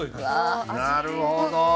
なるほど！